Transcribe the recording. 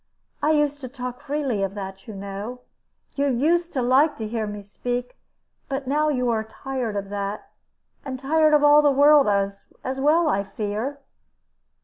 I used to talk freely of that, you know. You used to like to hear me speak; but now you are tired of that, and tired of all the world as well, I fear."